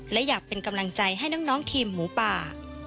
และอยากเป็นกำลังใจให้น้องทีมหมูป่า